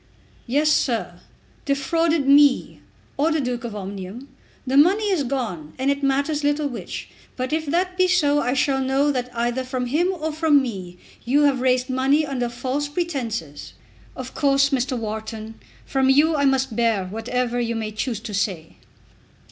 "Yes, sir; defrauded me, or the Duke of Omnium. The money is gone, and it matters little which. But if that be so I shall know that either from him or from me you have raised money under false pretences." "Of course, Mr. Wharton, from you I must bear whatever you may choose to say."